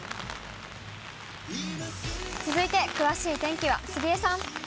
続いて詳しい天気は、杉江さん。